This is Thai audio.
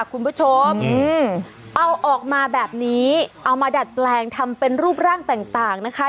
คุณผู้ชมเอาออกมาแบบนี้เอามาดัดแปลงทำเป็นรูปร่างต่างนะคะ